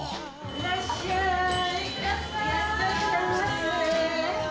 いらっしゃいませ。